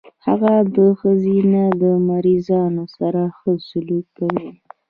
هغه د ښځينه مريضانو سره ښه سلوک کوي.